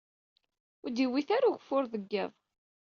Ur d-yewwit ara ugeffur deg iḍ.